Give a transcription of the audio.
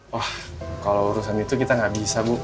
wah kalau urusan itu kita nggak bisa bu